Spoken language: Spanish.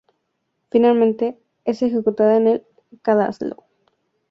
Finalmente, es ejecutada en el cadalso.